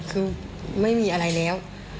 คือไม่มีอะไรแล้ว